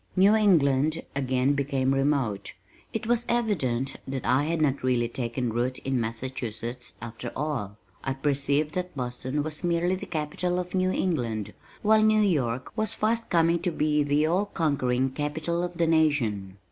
New England again became remote. It was evident that I had not really taken root in Massachusetts after all. I perceived that Boston was merely the capital of New England while New York was fast coming to be the all conquering capital of The Nation.